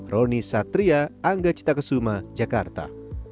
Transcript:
roni satria angga cita kesuma jakarta